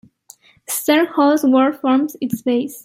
Sternhold's work forms its base.